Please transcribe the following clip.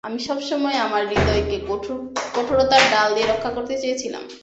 আমি সবসময় আমার হৃদয়কে কঠোরতার ঢাল দিয়ে রক্ষা করতে চেয়েছিলাম।